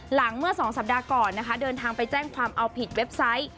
เมื่อ๒สัปดาห์ก่อนนะคะเดินทางไปแจ้งความเอาผิดเว็บไซต์